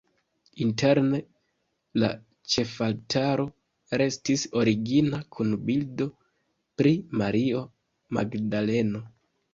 Interne la ĉefaltaro restis origina kun bildo pri Mario Magdaleno.